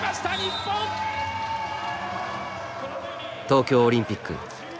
東京オリンピック。